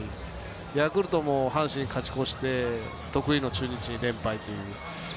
ヤクルトも阪神勝ち越して得意の中日に連敗という。